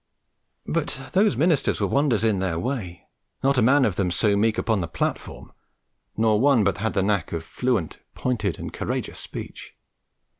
But those ministers were wonders in their way; not a man of them so meek upon the platform, nor one but had the knack of fluent, pointed, and courageous speech.